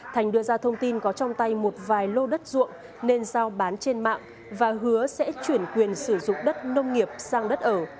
thành đưa ra thông tin có trong tay một vài lô đất ruộng nên giao bán trên mạng và hứa sẽ chuyển quyền sử dụng đất nông nghiệp sang đất ở